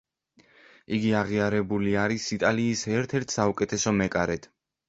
იგი აღიარებული არის იტალიის ერთ-ერთ საუკეთესო მეკარედ.